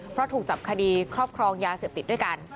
เพราะถูกจับคดีครอบครองยาเสพติดด้วยกัน